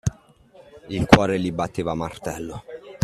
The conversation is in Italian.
Il cuore gli batteva a martello.